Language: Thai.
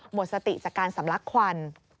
หมดสติจากการสำลักควัน